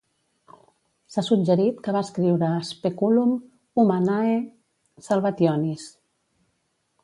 S'ha suggerit que va escriure "Speculum Humanae Salvationis".